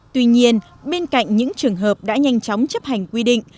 tuy nhiên bên cạnh những trường hợp đã nhanh chóng chấp hành quy định